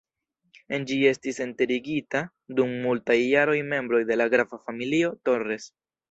En ĝi estis enterigita dum multaj jaroj membro de la grava familio "Torres".